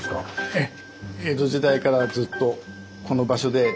ええ。